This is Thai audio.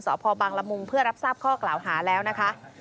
สพบังละมุงเพื่อรับทราบข้อกล่าวหาแล้วนะคะ